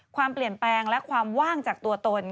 ความเปลี่ยนแปลงและความว่างจากตัวตน